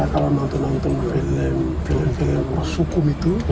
kalau mau nonton film film prosukum itu